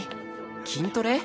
筋トレ？